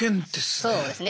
そうですね。